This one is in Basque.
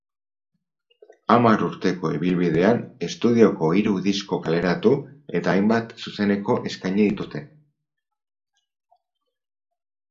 Hamar urteko ibilbidean estudioko hiru disko kaleratu eta hainbat zuzeneko eskaini dituzte.